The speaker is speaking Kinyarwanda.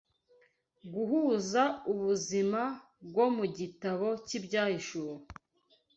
guhuza ubuhanuzi bwo mu gitabo cy’Ibyahishuwe